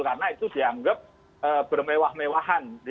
karena itu dianggap bermewah mewahan